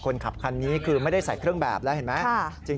คนขับคันนี้คือไม่ได้ใส่เครื่องแบบแล้วเห็นไหม